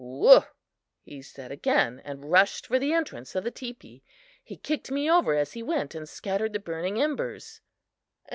"Woow!" he said again, and rushed for the entrance of the teepee. He kicked me over as he went and scattered the burning embers.